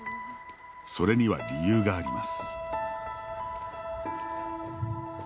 それには理由があります。